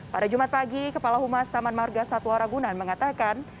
pada jumat pagi kepala humas taman marga satwa ragunan mengatakan